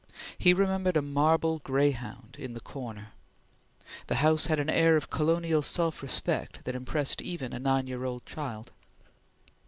He remembered a marble greyhound in the corner. The house had an air of colonial self respect that impressed even a nine year old child.